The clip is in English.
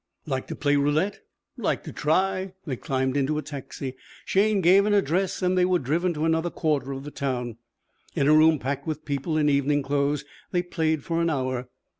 "Like to play roulette?" "Like to try." They climbed into a taxi. Shayne gave an address and they were driven to another quarter of the town. In a room packed with people in evening clothes they played for an hour.